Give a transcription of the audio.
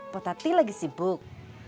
potati lagi sibuk